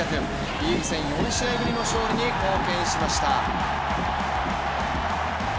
リーグ戦４試合ぶりの勝利に貢献しました。